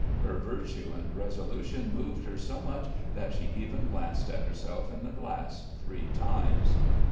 Her virtue and resolution moved her so much that she even glanced at herself in the glass three times.